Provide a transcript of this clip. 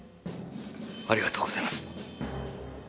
「ありがとうございます」